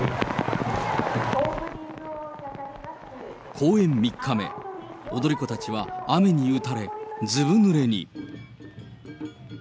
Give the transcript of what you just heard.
公演３日目、踊り子たちは雨に打たれ、ずぶぬれに。